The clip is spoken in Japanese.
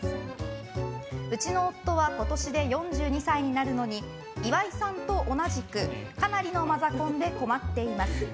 うちの夫は今年で４２歳になるのに岩井さんと同じくかなりのマザコンで困っています。